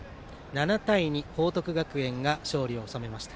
７対２、報徳学園が勝利を収めました。